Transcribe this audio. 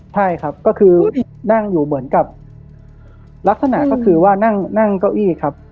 ใช่ครับก็คือนั่งอยู่เหมือนกับลักษณะก็คือว่านั่งเก้าอี้ครับ